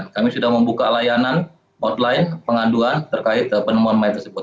kami sudah membuka layanan hotline pengaduan terkait penemuan mayat tersebut